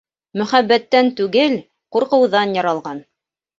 Мөхәббәттән түгел, ҡурҡыуҙан яралған.